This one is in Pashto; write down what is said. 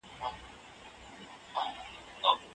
په کارونو کې نظم او ډسپلین ولرئ.